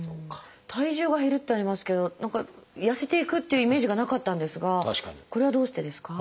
「体重が減る」ってありますけど何か痩せていくっていうイメージがなかったんですがこれはどうしてですか？